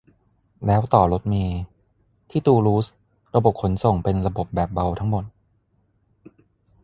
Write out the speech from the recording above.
แล้วต่อรถเมล์ ที่ตูลูสระบบขนส่งเป็นระบบแบบเบาทั้งหมด